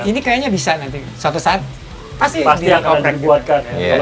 ini kayaknya bisa nanti suatu saat pasti akan dibuatkan